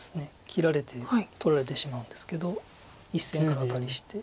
切られて取られてしまうんですけど１線からアタリして。